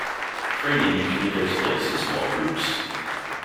Training usually takes place in small groups.